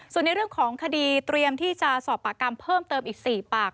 ส่วนในเรื่องของคดีเตรียมที่จะสอบปากคำเพิ่มเติมอีก๔ปาก